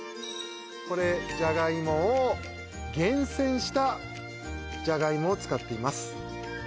これじゃがいもを厳選したじゃがいもを使っています